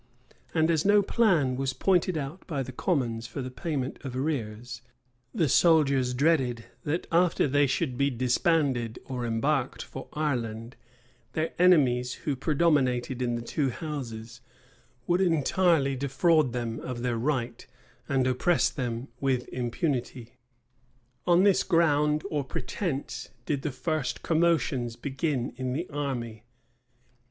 And as no plan was pointed out by the commons for the payment of arrears, the soldiers dreaded, that after they should be disbanded or embarked for Ireland, their enemies, who predominated in the two houses, would entirely defraud them of their right, and oppress them with impunity. On this ground or pretence did the first commotions begin in the army.